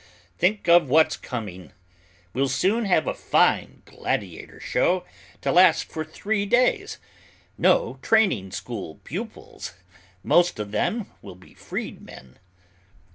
Think of what's coming! We'll soon have a fine gladiator show to last for three days, no training school pupils; most of them will be freedmen.